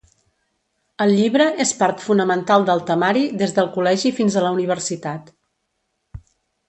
El llibre és part fonamental del temari des del col·legi fins a la universitat.